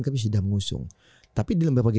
kami sudah mengusung tapi dalam beberapa